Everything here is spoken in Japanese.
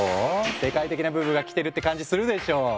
世界的なブームが来てるって感じするでしょ？